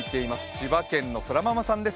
千葉県の空ママさんです